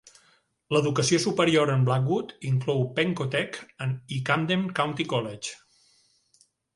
L'educació superior en Blackwood inclou Pennco Tech i Camden County College.